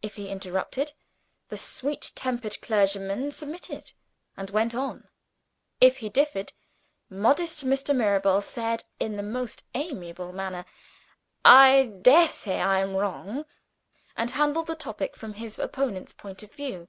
If he interrupted the sweet tempered clergyman submitted, and went on. If he differed modest Mr. Mirabel said, in the most amiable manner, "I daresay I am wrong," and handled the topic from his opponent's point of view.